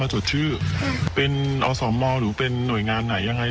เหรอพระอ๋อเหรอพระอ๋อเหรอ